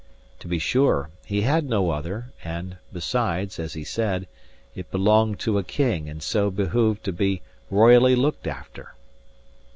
To be sure, he had no other; and, besides (as he said), it belonged to a king and so behoved to be royally looked after.